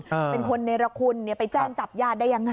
เป็นคนเนรคุณไปแจ้งจับญาติได้อย่างไร